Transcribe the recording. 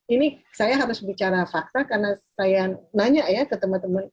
ini saya harus bicara fakta karena saya nanya ya ke teman teman